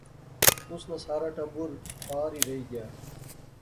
اس ناں سار ٹبر پار ہی رہی گیا